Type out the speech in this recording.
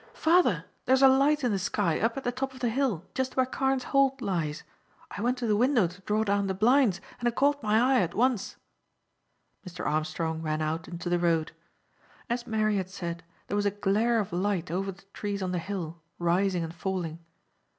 "Father, there is a light in the sky up at the top of the hill, just where Carne's Hold lies. I went to the window to draw down the blinds and it caught my eye at once." Mr. Armstrong ran out into the road. As Mary had said, there was a glare of light over the trees on the hill, rising and falling.